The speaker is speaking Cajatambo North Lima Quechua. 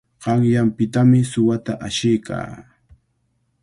Qanyanpitami suwata ashiykan.